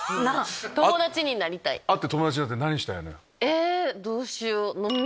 会って友達になって何したいのよ？